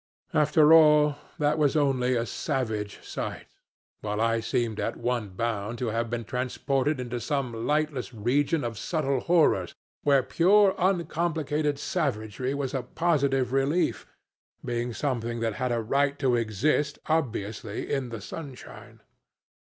After all, that was only a savage sight, while I seemed at one bound to have been transported into some lightless region of subtle horrors, where pure, uncomplicated savagery was a positive relief, being something that had a right to exist obviously in the sunshine.